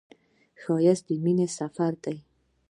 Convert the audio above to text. ښایست د مینې سفر دی